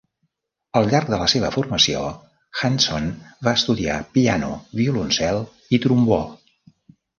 Al llarg de la seva formació, Hanson va estudiar piano, violoncel i trombó.